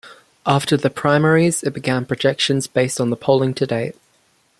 After the primaries, it began projections based on the polling to date.